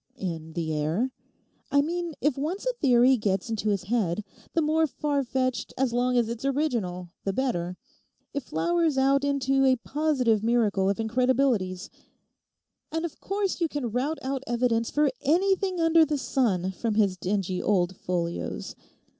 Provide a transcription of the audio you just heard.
'In the air?' 'I mean if once a theory gets into his head—the more far fetched, so long as it's original, the better—it flowers out into a positive miracle of incredibilities. And of course you can rout out evidence for anything under the sun from his dingy old folios.